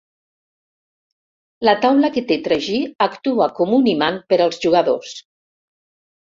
La taula que té tragí actua com un imant per als jugadors.